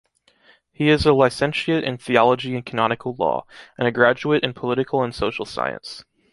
He is a licentiate in Theology and Canonical Law, and a graduate in Political and Social Science.